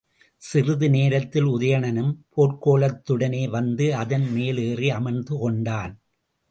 சிறிது நேரத்தில் உதயணனும் போர்க் கோலத்துடனே வந்து அதன் மேல் ஏறி அமர்ந்து கொண்டான்.